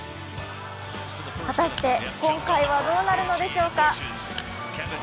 果たして今回はどうなるのでしょうか。